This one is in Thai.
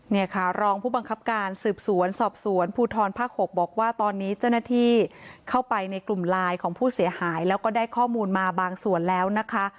เนี่ยค่ะรองผู้บังคับการสืบสวนสอบสวนภูทรภาค๖บอกว่าตอนนี้เจ้าหน้าที่เข้าไปในกลุ่มไลน์ของผู้เสียหายแล้วก็ได้ข้อมูลมาบางส่วนแล้วนะคะ